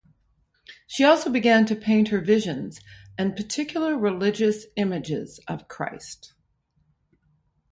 She also began to paint her visions and particular religious images of Christ.